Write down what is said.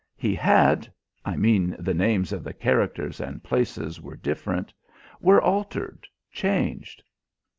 He had I mean the names of the characters and places were different were altered, changed."